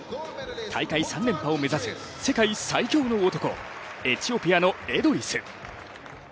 大会３連覇を目指す世界最強の男、エチオピアのエドリス。